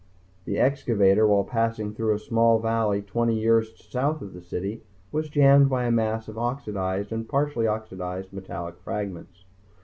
The excavator, while passing through a small valley about 20 yursts south of the city, was jammed by a mass of oxidized and partially oxidized metallic fragments.